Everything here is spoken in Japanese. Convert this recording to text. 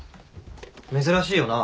珍しいよな。